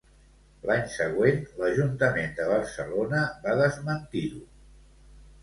L'any següent l'Ajuntament de Barcelona va desmentir-ho.